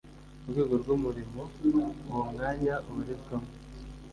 urwego rw’umurimo uwo mwanya ubarizwamo